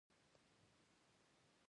جګړه ګټندوی نه لري.